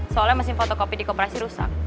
soalnya mesin foto kopi di kooperasi rusak